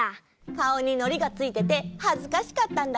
かおにのりがついててはずかしかったんだね。